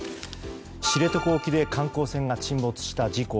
知床沖で観光船が沈没した事故。